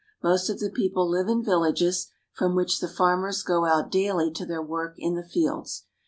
Most of the people live in vil lages, from which the farmers go out daily to their work in the fields.